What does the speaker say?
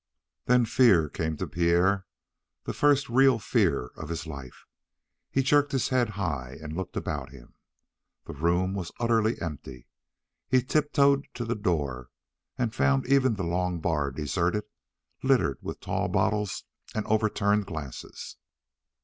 Then fear came to Pierre, the first real fear of his life. He jerked his head high and looked about him. The room was utterly empty. He tiptoed to the door and found even the long bar deserted, littered with tall bottles and overturned glasses.